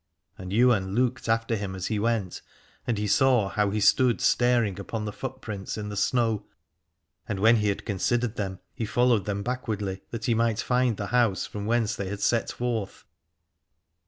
And Ywain looked after him as he went, and he saw how he stood staring upon the footprints in the snow : and when he had considered them he followed them backwardly, that he might find the house from whence they had set forth.